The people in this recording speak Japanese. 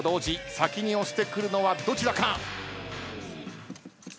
先に押してくるのはどちらか。